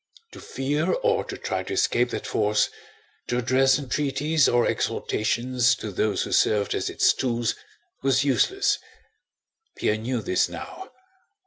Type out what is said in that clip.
To fear or to try to escape that force, to address entreaties or exhortations to those who served as its tools, was useless. Pierre knew this now.